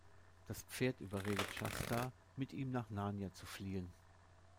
Das Pferd überredet Shasta, mit ihm nach Narnia zu fliehen.